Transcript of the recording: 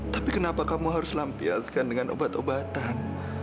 tapi kenapa kamu harus lampiaskan dengan obat obatan